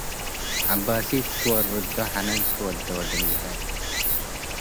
ዐባሲት ትወርዶ ሐነን ትወዴ ወድንግሔ